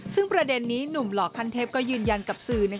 ซึ่งประเด็นนี้หนุ่มหล่อพันเทพก็ยืนยันกับสื่อ